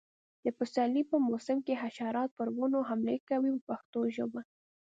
د پسرلي په موسم کې حشرات پر ونو حملې کوي په پښتو ژبه.